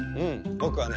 ぼくはね